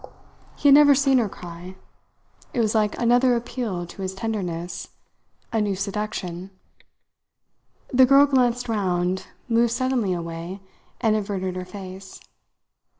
He had never seen her cry. It was like another appeal to his tenderness a new seduction. The girl glanced round, moved suddenly away, and averted her face.